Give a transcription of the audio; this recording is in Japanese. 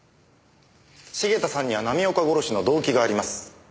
茂田さんには浪岡殺しの動機があります。